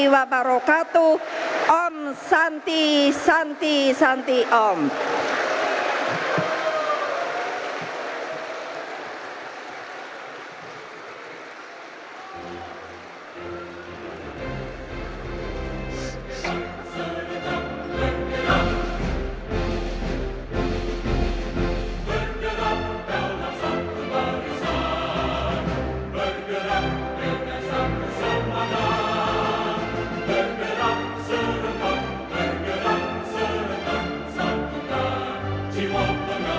wabarakatuh om santi santi santi om